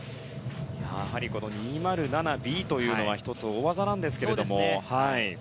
やはり２０７Ｂというのは１つ大技なんですけども。